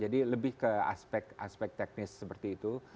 jadi lebih ke aspek teknis seperti itu